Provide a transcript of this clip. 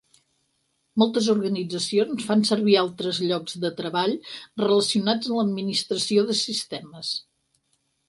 Moltes organitzacions fan servir altres llocs de treball relacionats amb l’administració de sistemes.